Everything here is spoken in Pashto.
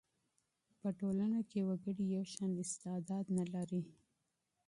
په ټولنه کي وګړي یو شان استعداد نه لري.